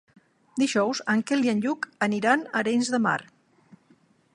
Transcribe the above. Dijous en Quel i en Lluc aniran a Arenys de Mar.